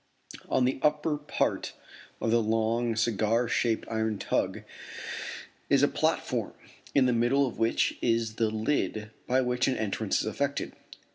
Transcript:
On the upper part of the long cigar shaped iron tug is a platform in the middle of which is the "lid" by which an entrance is effected.